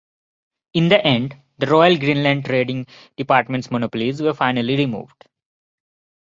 In the end, the Royal Greenland Trading Department's monopolies were finally removed.